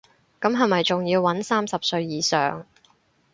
咁係咪仲要搵三十歲以上